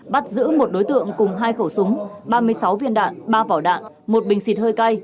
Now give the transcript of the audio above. bắt giữ một đối tượng cùng hai khẩu súng ba mươi sáu viên đạn ba vỏ đạn một bình xịt hơi cay